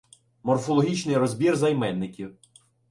Морфологічний розбір займенників